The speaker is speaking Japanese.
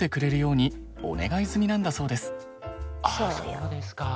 そうですか。